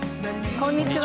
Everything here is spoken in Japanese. こんにちは。